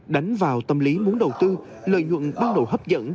đánh vào tâm lý muốn đầu tư lợi nhuận ban đầu hấp dẫn